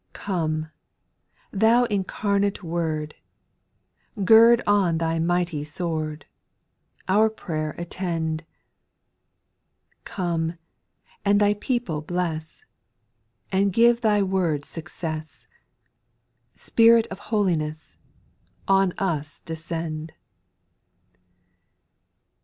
8. Come, Thou incarnate Word, Gird on Thy mighty sword, Our prayer attend ! Come, and Thy people bless. And give Thy word success. Spirit of holiness, On us descend.